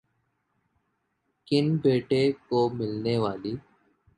کن بیٹے کو ملنے والی